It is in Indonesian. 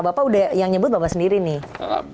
bapak udah yang nyebut bapak sendiri nih